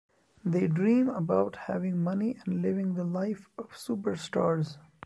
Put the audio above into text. They dream about having money and living the life of superstars.